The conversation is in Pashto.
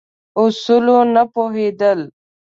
اصولو نه پوهېدل.